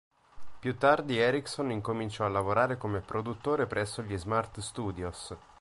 Più tardi Erickson incominciò a lavorare come produttore presso gli Smart Studios.